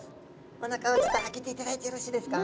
おなかをちょっと開けていただいてよろしいですか？